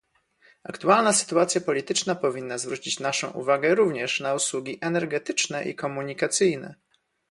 Aktualna sytuacja polityczna powinna zwrócić naszą uwagę również na usługi energetyczne i komunikacyjne